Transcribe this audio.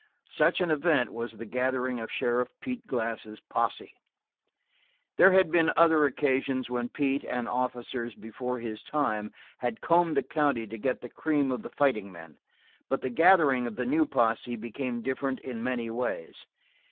Such an event was the gathering of Sheriff Pete Glass' posse. There had been other occasions when Pete and officers before his time had combed the county to get the cream of the fighting men, but the gathering of the new posse became different in many ways.